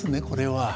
これは。